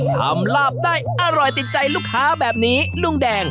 ลาบได้อร่อยติดใจลูกค้าแบบนี้ลุงแดง